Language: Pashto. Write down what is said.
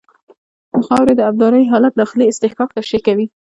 د خاورې د ابدارۍ حالت داخلي اصطکاک تشریح کوي